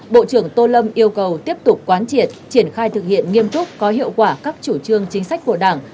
bộ trưởng tô lâm yêu cầu tiếp tục quán triệt triển khai thực hiện nghiêm túc có hiệu quả các chủ trương chính sách của đảng